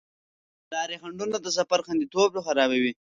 د لارې خنډونه د سفر خوندیتوب خرابوي.